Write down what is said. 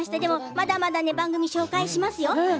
まだまだ番組紹介しますよ。